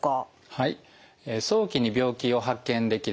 はい。